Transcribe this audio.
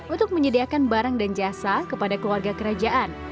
untuk menyediakan barang dan jasa kepada keluarga kerajaan